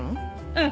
うん！